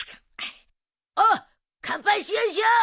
おう乾杯しようしよう。